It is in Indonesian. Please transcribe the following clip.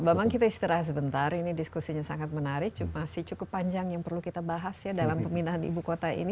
pak bambang kita istirahat sebentar ini diskusinya sangat menarik masih cukup panjang yang perlu kita bahas ya dalam pemindahan ibu kota ini